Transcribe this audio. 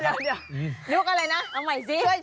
ยุคอะไรนะเอาใหม่ซิ